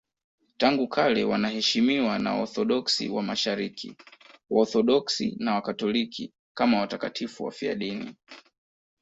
Tangu kale wanaheshimiwa na Waorthodoksi wa Mashariki, Waorthodoksi na Wakatoliki kama watakatifu wafiadini.